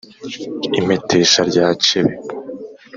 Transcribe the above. impetesha rya cebe